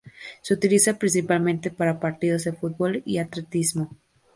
Se utiliza principalmente para partidos de fútbol, y atletismo.